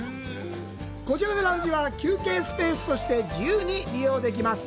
こちらのラウンジは、休憩スペースとして自由に利用できます。